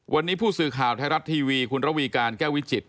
วันนี้ผู้สื่อข่าวไทยรัฐทีวีคุณระวีการแก้ววิจิต